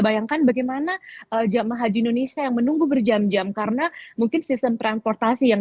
bayangkan bagaimana jamaah haji indonesia yang menunggu berjam jam karena mungkin sistem transportasi yang